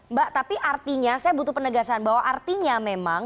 mbak tapi artinya saya butuh penegasan bahwa artinya memang